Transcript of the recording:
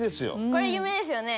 これ有名ですよね。